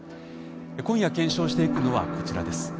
今夜検証していくのはこちらです。